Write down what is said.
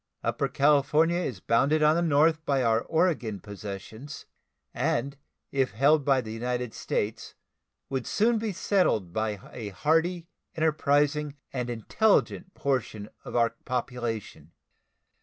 Upper California is bounded on the north by our Oregon possessions, and if held by the United States would soon be settled by a hardy, enterprising, and intelligent portion of our population.